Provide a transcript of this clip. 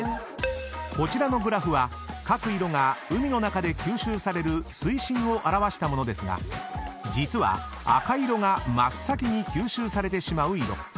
［こちらのグラフは各色が海の中で吸収される水深を表したものですが実は赤い色が真っ先に吸収されてしまう色］